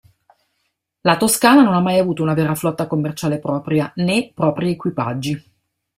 La Toscana non ha mai avuto una vera flotta commerciale propria, né propri equipaggi.